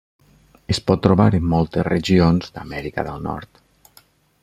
Es pot trobar en moltes regions d'Amèrica del nord.